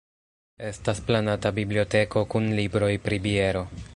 Estas planata biblioteko kun libroj pri biero.